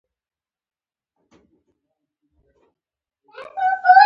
دا اصطلاح نن ورځ په ټولو ژبو کې کارول کیږي.